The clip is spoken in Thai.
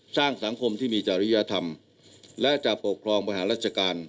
สร้างสังคมที่มีจริยธรรมและจะปกครองบริหารราชการ